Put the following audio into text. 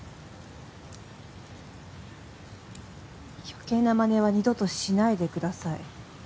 余計なまねは二度としないでください